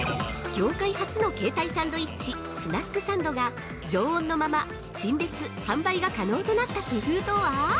◆業界初の携帯サンドイッチ「スナックサンド」が常温のまま陳列・販売が可能となった工夫とは？